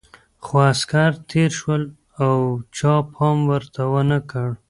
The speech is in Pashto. خو عسکر تېر شول او چا پام ورته ونه کړ.